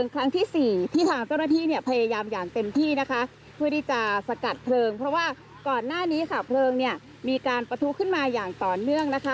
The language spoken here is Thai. การสกัดเพลิงเนี่ยมีการประทุขึ้นมาอย่างต่อเนื่องนะคะ